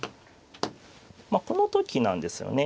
この時なんですよね。